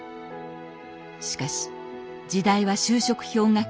しかし時代は就職氷河期。